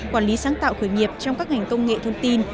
quản lý sáng tạo khởi nghiệp trong các ngành công nghệ thông tin